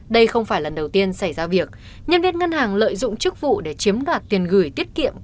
đây không phải lần đầu tiên xảy ra việc nhân viên ngân hàng lợi dụng chức vụ để chiếm đoạt tiền gửi tiết kiệm